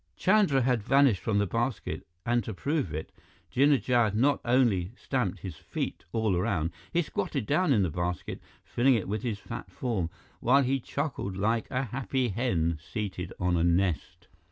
Chandra had vanished from the basket, and to prove it, Jinnah Jad not only stamped his feet all around, he squatted down in the basket, filling it with his fat form, while he clucked like a happy hen seated on a nest.